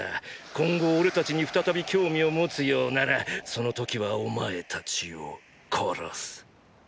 「今後俺たちに再び興味を持つようならその時はお前たちを殺す」。